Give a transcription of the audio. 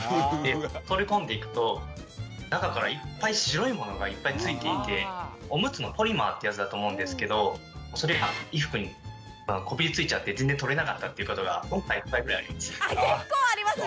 取り込んでいくと中からいっぱい白いものがいっぱい付いていてオムツのポリマーってやつだと思うんですけどそれが衣服にこびりついちゃって全然取れなかったっていうことが結構ありますね！